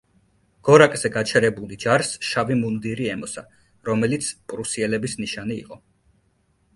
გორაკზე გაჩერებული ჯარს შავი მუნდირი ემოსა, რომელიც პრუსიელების ნიშანი იყო.